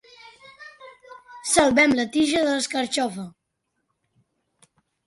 Salvem la tija de l'escarxofa